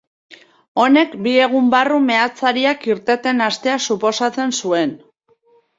Honek, bi egun barru meatzariak irteten hastea suposatzen zuen.